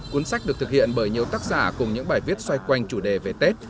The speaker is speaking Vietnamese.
cuốn sách được thực hiện bởi nhiều tác giả cùng những bài viết xoay quanh chủ đề về tết